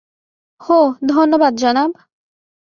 হো, ধন্যবাদ, জনাব।